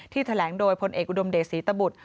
แถลงโดยพลเอกอุดมเดชศรีตบุตร